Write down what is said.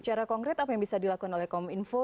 secara konkret apa yang bisa dilakukan oleh kominfo